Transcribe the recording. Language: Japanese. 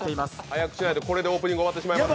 早くしないとこれでオープニング終わってしまいます。